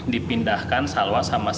dipindahkan salma ke rumah keluarga tersebut